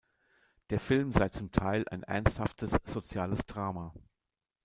Der Film sei zum Teil ein ernsthaftes soziales Drama.